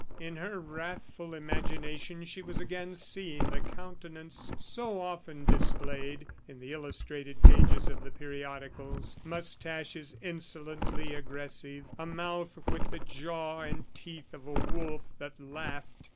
In her wrathful imagination she was again seeing the countenance so often displayed in the illustrated pages of the periodicals moustaches insolently aggressive, a mouth with the jaw and teeth of a wolf, that laughed